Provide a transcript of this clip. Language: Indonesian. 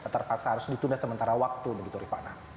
terpaksa harus ditunda sementara waktu begitu rifana